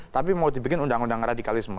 tapi mau dibikin undang undang radikalisme